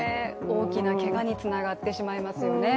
大きなけがにつながってしまいますよね。